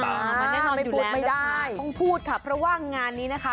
มันแน่นอนดูแลนะคะคงพูดค่ะเพราะว่างานนี้นะคะ